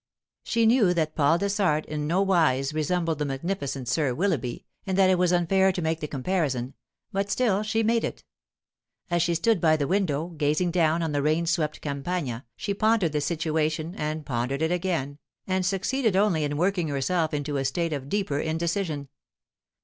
She knew that Paul Dessart in no wise resembled the magnificent Sir Willoughby, and that it was unfair to make the comparison, but still she made it. As she stood by the window, gazing down on the rain swept Campagna, she pondered the situation and pondered it again, and succeeded only in working herself into a state of deeper indecision.